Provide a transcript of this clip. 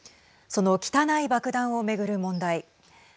その汚い爆弾を巡る問題。